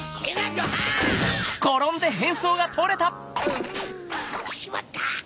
うしまった！